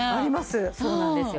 そうなんですよ。